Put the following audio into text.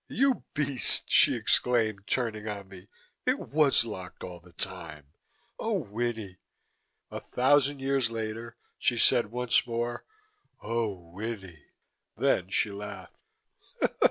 "You beast!" she exclaimed, turning on me, "it was locked, all the time. Oh, Winnie " A thousand years later she said once more, "Oh, Winnie!" Then she laughed.